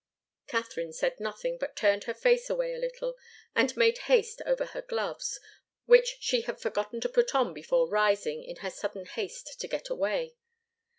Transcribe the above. Katharine said nothing, but turned her face away a little, and made haste over her gloves, which she had forgotten to put on before rising, in her sudden haste to get away.